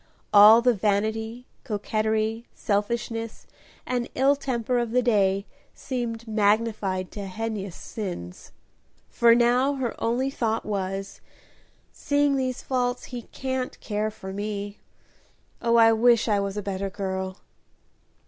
All the vanity, coquetry, selfishness, and ill temper of the day seemed magnified to heinous sins, for now her only thought was, "seeing these faults, he can't care for me. Oh, I wish I was a better girl!"